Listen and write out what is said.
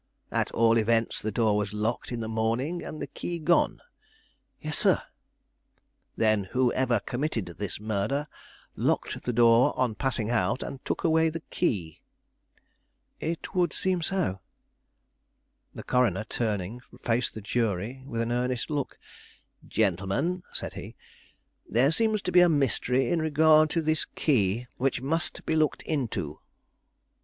"At all events, the door was locked in the morning, and the key gone?" "Yes, sir." "Then whoever committed this murder locked the door on passing out, and took away the key?" "It would seem so." The coroner turning, faced the jury with an earnest look. "Gentlemen," said he, "there seems to be a mystery in regard to this key which must be looked into."